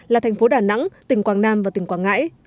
là thành phố đà nẵng tỉnh quảng nam và tỉnh quảng ngãi